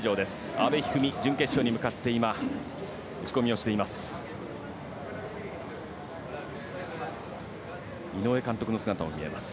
阿部一二三、準決勝に向かって今、打ち込みをしています。